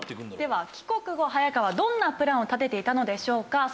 では帰国後早川はどんなプランを立てていたのでしょうか？